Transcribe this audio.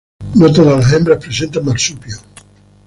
No todas las hembras presentan marsupio.